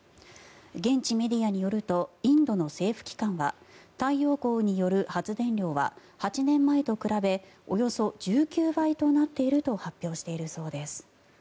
現地メディアによるとインドの政府機関は太陽光による発電量は８年前と比べおよそ１９倍となっていると発表しているそうです。